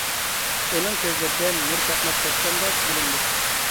ئۇنىڭ كۆزلىرىدىن نۇر چاقناپ كەتكەندەك بىلىندى.